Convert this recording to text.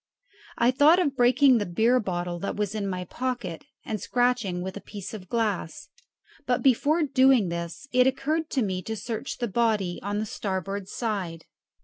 I thought of breaking the beer bottle that was in my pocket and scratching with a piece of the glass; but before doing this it occurred to me to search the body on the starboard side.